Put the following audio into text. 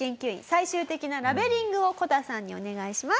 最終的なラベリングをこたさんにお願いします。